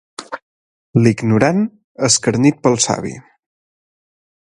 L'ignorant escarnit pel savi